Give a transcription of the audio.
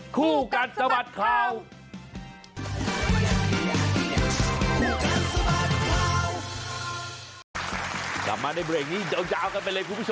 คู่กันสบัดครัว